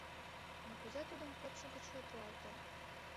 Но кузе тудым почшо гыч от руалте?